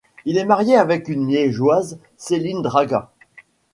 Il est marié à une Liégeoise, Céline Draga.